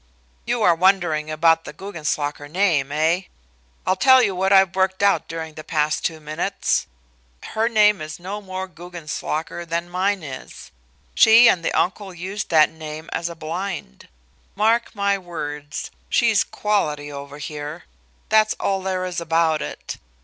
"You are wondering about the Guggenslocker name, eh? I'll tell you what I've worked out during the past two minutes. Her name is no more Guggenslocker than mine is. She and the uncle used that name as a blind. Mark my words, she's quality over here; that's all there is about it.